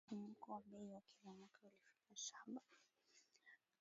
Mfumuko wa bei wa kila mwaka ulifikia saba